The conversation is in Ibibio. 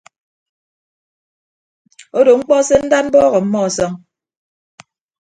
Odo mkpọ se ndad mbọọk ọmmọ ọsọñ.